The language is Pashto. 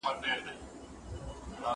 زه به سبا د کتابتوننۍ سره خبري کوم!